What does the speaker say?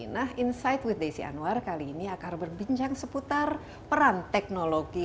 nah insight with desi anwar kali ini akan berbincang seputar peran teknologi